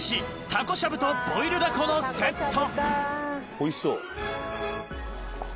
おいしそう。